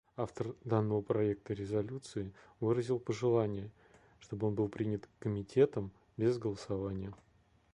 Автор данного проекта резолюции выразил пожелание, чтобы он был принят Комитетом без голосования.